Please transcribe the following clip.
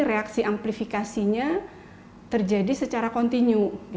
reaksi amplifikasinya terjadi secara kontinu